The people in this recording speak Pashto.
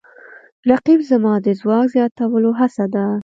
رقیب زما د ځواک د زیاتولو هڅه ده